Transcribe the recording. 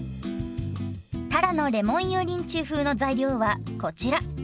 たらのレモン油淋鶏風の材料はこちら。